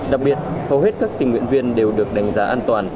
đặc biệt hầu hết các tình nguyện viên đều được đánh giá an toàn